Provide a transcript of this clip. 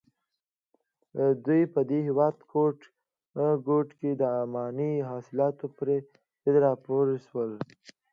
دوی په هېواد ګوټ ګوټ کې د اماني اصلاحاتو پر ضد راپاڅول.